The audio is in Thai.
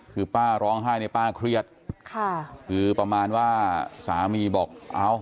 คือป้าร้องไห้ป้าเครียดคือประมาณว่าสามีบอกเอา